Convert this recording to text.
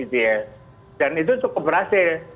dan itu cukup berhasil